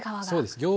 そうです。